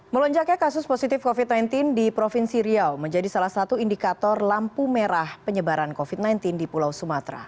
melonjaknya kasus positif covid sembilan belas di provinsi riau menjadi salah satu indikator lampu merah penyebaran covid sembilan belas di pulau sumatera